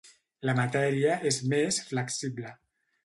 La matèria és més flexible.